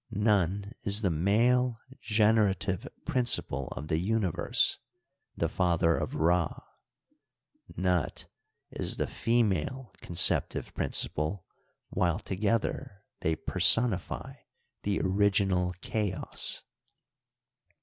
Nun is the male generative principle of the universe, the father of Rd^ Nut is the female conceptive principle, while to gether they personify the original chaos; 2.